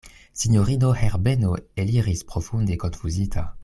Sinjorino Herbeno eliris profunde konfuzita.